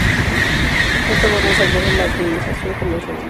Esto va más allá de la optimización convencional.